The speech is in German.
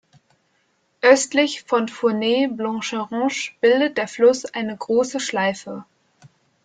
Östlich von Fournet-Blancheroche bildet der Fluss eine große Schleife.